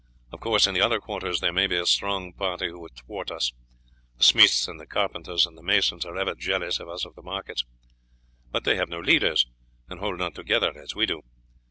Of course, in the other quarters there may be a strong party who would thwart us; the smiths and the carpenters and masons are ever jealous of us of the markets, but they have no leaders, and hold not together as we do.